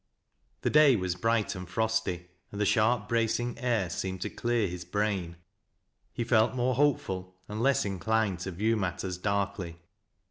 The day was bright and frosty, and the sharp, bracing air seemed to clear his brain. He felt more hopeful, and less inclined to view matters darkly.